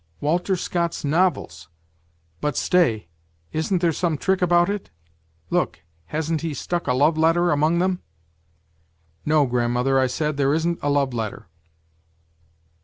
"' Walter Scott's novels ! But stay, isn't there some trick about it ? Look, hasn't he stuck a love letter among them ?'' No, grandmother,' I said, ' there isn't a love letter.'